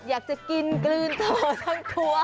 อยากจะกินกลืนเธอทั้งตัว